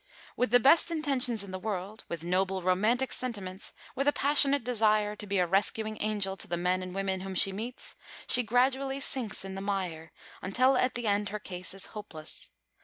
With the best intentions in the world, with noble, romantic sentiments, with a passionate desire to be a rescuing angel to the men and women whom she meets, she gradually sinks in the mire, until, at the end, her case is hopeless.